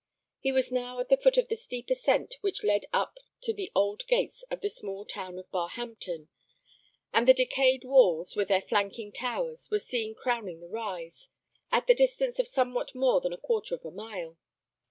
He was now at the foot of the steep ascent which led up to the old gates of the small town of Barhampton; and the decayed walls, with their flanking towers, were seen crowning the rise, at the distance of somewhat more than a quarter of a mile.